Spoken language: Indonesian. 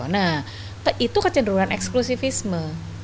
nah itu kecederuan eksklusifisme